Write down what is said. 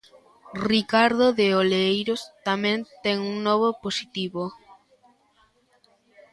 Ricardo de Oleiros tamén ten un novo positivo.